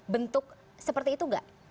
bentuk seperti itu gak